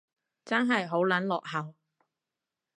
真係好撚落後